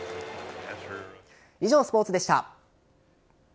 以上、スポーツでした。